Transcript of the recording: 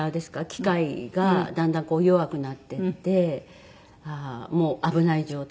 機械がだんだん弱くなっていってもう危ない状態。